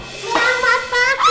selamat pagi semuanya